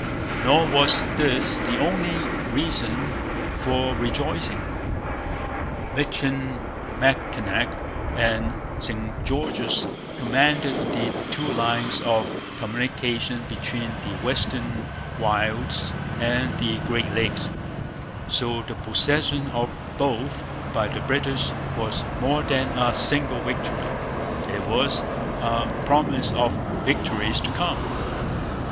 Nor was this the only reason for rejoicing. Michilimackinac and St Joseph's commanded the two lines of communication between the western wilds and the Great Lakes; so the possession of both by the British was more than a single victory, it was a promise of victories to come.